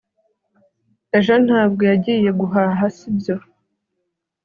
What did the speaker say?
ejo ntabwo yagiye guhaha, sibyo